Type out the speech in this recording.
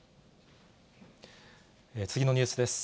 次のニュースです。